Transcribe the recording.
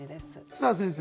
さあ先生。